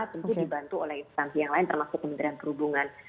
tentu dibantu oleh instansi yang lain termasuk kementerian perhubungan